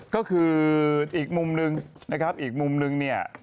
ก็คืออีกมุมนึงนะครับอีกมุมนึงเนี่ย